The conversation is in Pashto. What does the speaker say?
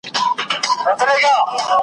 د سروګلونو غوټۍ به واسي .